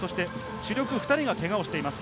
主力２人がけがをしています。